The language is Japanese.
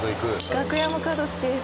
楽屋も角好きです。